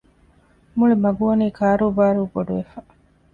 މުޅި މަގުވަނީ ކާރޫބާރޫ ބޮޑުވެފަ